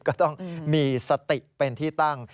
ก็ต้องมีสติเป็นที่ตั้ง